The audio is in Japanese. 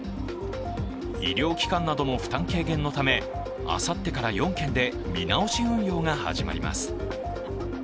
医療機関などの負担軽減のためあさってから４県で見直し運用が始まります。